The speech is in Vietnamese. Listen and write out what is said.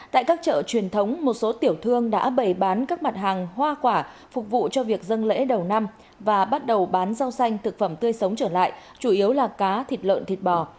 tại các chợ truyền thống một số tiểu thương đã bày bán các mặt hàng hoa quả phục vụ cho việc dân lễ đầu năm và bắt đầu bán rau xanh thực phẩm tươi sống trở lại chủ yếu là cá thịt lợn thịt bò